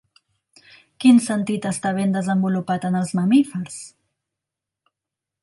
Quin sentit està ben desenvolupat en els mamífers?